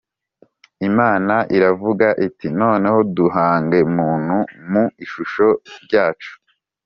"Imana iravuga iti "Noneho duhange Muntu mu ishusho ryacu